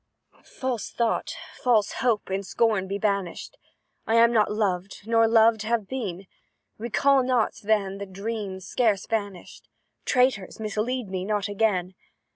"False thought false hope in scorn be banished! I am not loved nor loved have been; Recall not, then, the dreams scarce vanished; Traitors! mislead me not again!